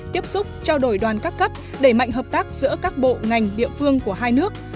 tiếp xúc trao đổi đoàn các cấp đẩy mạnh hợp tác giữa các bộ ngành địa phương của hai nước